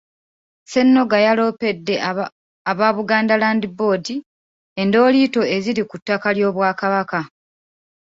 Ssennoga yaloopedde aba Buganda Land Board endooliito eziri ku ttaka ly'Obwakabaka.